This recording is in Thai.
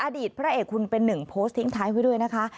อดีตพระเอกคุณเป็นหนึ่งโพสต์ทิ้งท้ายไว้ด้วยนะคะ